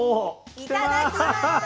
いただきます！